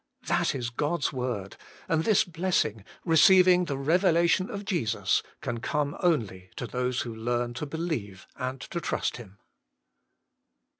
That is God's word, and this blessing, receiving the revelation of Jesus, can come only to those who learn to believe and to trust him.